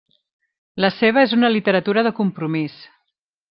La seva és una literatura de compromís.